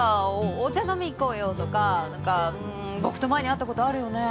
「お茶飲みいこうよ」とかなんかうん「僕と前に会った事あるよね？」